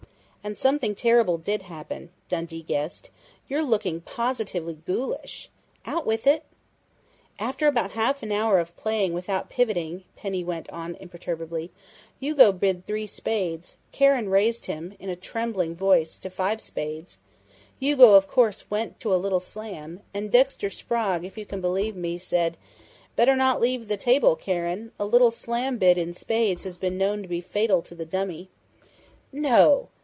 "And something terrible did happen," Dundee guessed. "You're looking positively ghoulish. Out with it!" "After about half an hour of playing without pivoting," Penny went on imperturbably, "Hugo bid three spades, Karen raised him in a trembling voice to five spades, Hugo of course went to a little slam, and Dexter Sprague, if you can believe me, said: 'Better not leave the table, Karen. A little slam bid in spades has been known to be fatal to the dummy!'" "_No!